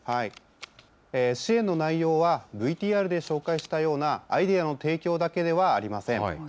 支援の内容は、ＶＴＲで紹介したようなアイデアの提供だけではありません。